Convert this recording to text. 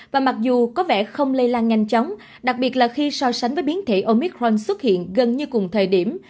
và mặc dù có vẻ không lây lan nhanh chóng đặc biệt là khi so sánh với biến thể omicron xuất hiện gần như cùng thời điểm